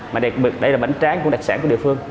mà đặc biệt đây là bánh tráng cũng là đặc sản của địa phương